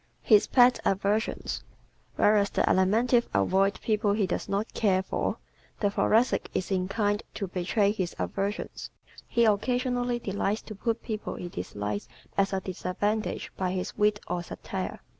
His Pet Aversions ¶ Whereas the Alimentive avoids people he does not care for, the Thoracic is inclined to betray his aversions. He occasionally delights to put people he dislikes at a disadvantage by his wit or satire.